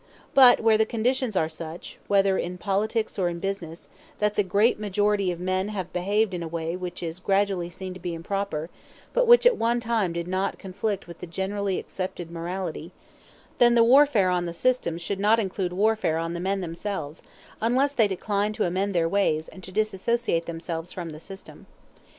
But where the conditions are such, whether in politics or in business, that the great majority of men have behaved in a way which is gradually seen to be improper, but which at one time did not conflict with the generally accepted morality, then the warfare on the system should not include warfare on the men themselves, unless they decline to amend their ways and to dissociate themselves from the system.